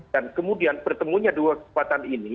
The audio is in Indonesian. dan kemudian pertemunya dua kekuatan ini